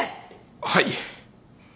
はい。